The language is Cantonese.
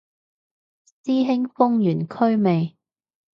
師兄封完區未